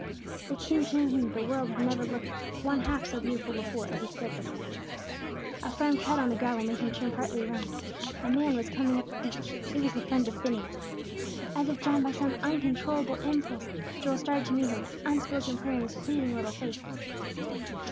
It seemed to him the world had never looked one half so beautiful before, as he stood there. A firm tread on the gravel made him turn partly around. A man was coming up the beach; it was the friend of Phineas. As if drawn by some uncontrollable impulse, Joel started to meet Him, an unspoken prayer in his pleading little face.